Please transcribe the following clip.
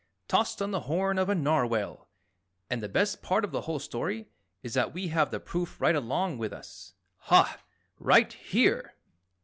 Tossed on the horn of a Narwhal! And the best part of the whole story is that we have the proof right along with us. Hah! Right here!"